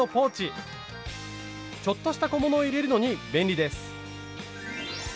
ちょっとした小物を入れるのに便利です。